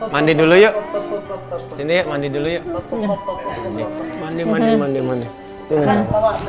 mandi dulu yuk ini mandi dulu yuk mandi mandi mandi mandi gimana